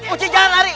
uci jangan lari